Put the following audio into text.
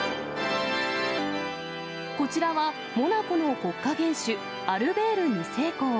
こちらは、モナコの国家元首、アルベール２世公。